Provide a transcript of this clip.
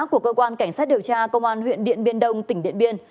của cơ quan cảnh sát điều tra công an huyện điện biên đông tỉnh điện biên